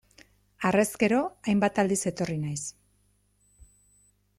Harrezkero, hainbat aldiz etorri naiz.